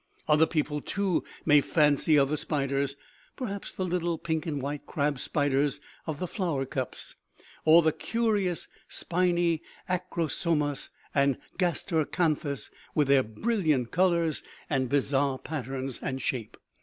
Other people, too, may fancy other spiders; perhaps the little pink and white crab spiders of the flower cups, or the curious spiny Acrosomas and Gasteracanthas with their brilliant colors and bizarre patterns and shape.